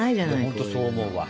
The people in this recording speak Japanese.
本当そう思うわ。